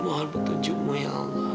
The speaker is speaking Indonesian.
mohon petunjukmu ya allah